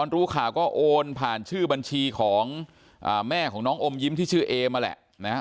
ลูกค่าก็โอนผ่านชื่อบัญชีของแม่ของน้องอมยิ้มที่ชื่อเอมมาและ